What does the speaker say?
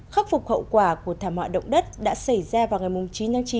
khắc phục hậu quả của thảm họa động đất đã xảy ra vào ngày chín tháng chín